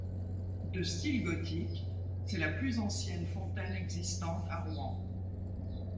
De style gothique, c’est la plus ancienne fontaine existante à Rouen.